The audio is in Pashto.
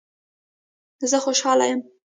زه خوشحال یم